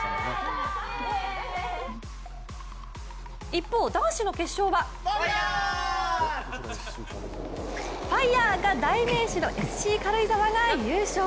一方、男子の決勝はファイアーが代名詞のＳＣ軽井沢が優勝。